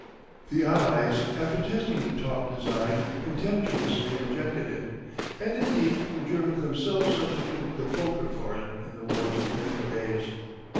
The Allies after testing the Taube design contemptuously rejected it, and indeed the Germans themselves substituted the Fokker for it in the war's later days.